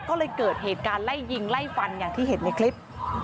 ก็เลยเกิดเหตุการณ์ไล่ยิงไล่ฟันอย่างที่เห็นในคลิป